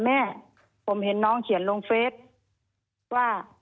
แม่ผมเห็นน้องเขียนลงเฟสว่า